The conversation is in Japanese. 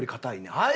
はい。